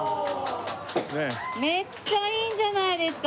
めっちゃいいんじゃないですか？